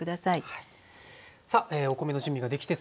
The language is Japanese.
はい。